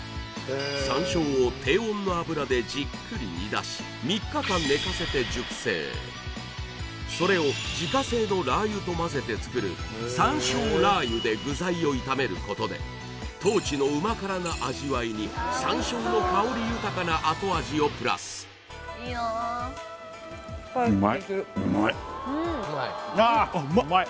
山椒を低温の油でじっくり煮出し３日間寝かせて熟成それを自家製のラー油と混ぜて作る山椒ラー油で具材を炒めることでな味わいに山椒の香り豊かな後味をプラス・いいなあうまいうまい？